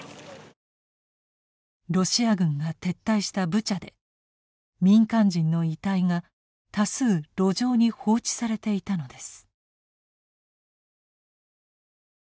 ロシア軍が撤退したブチャで民間人の遺体が多数路上に放置されていたのです。